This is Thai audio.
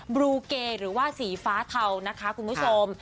บลูเกหรือว่าสีฟ้าเทานะคะคุณผู้ชม